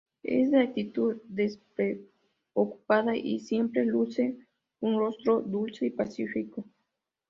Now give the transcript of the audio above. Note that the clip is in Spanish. Es de actitud despreocupada y siempre luce un rostro dulce y pacífico.